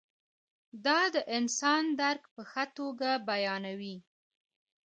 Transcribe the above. دا د انسان درک په ښه توګه بیانوي.